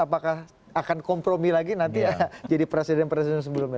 apakah akan kompromi lagi nanti jadi presiden presiden sebelumnya